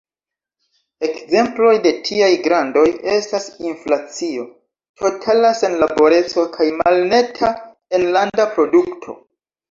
Ekzemploj de tiaj grandoj estas inflacio, totala senlaboreco kaj malneta enlanda produkto.